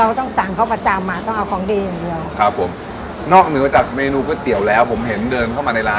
ต้องสั่งเขาประจำอ่ะต้องเอาของดีอย่างเดียวครับผมนอกเหนือจากเมนูก๋วยเตี๋ยวแล้วผมเห็นเดินเข้ามาในร้าน